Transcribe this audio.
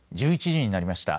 １１時になりました。